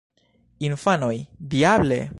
Infanoj: "Diable!"